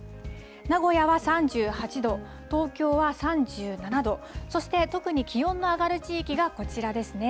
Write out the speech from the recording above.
名古屋は３８度、東京は３７度、そして特に気温の上がる地域がこちらですね。